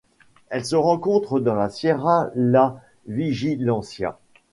Elle se rencontre dans la Sierra La Vigilancia.